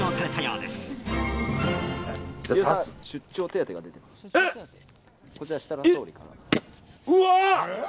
うわ！